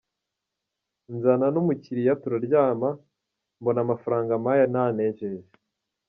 Nzana n’ umukiriya turaryama, mbona amafaranga ampaye ntanejeje.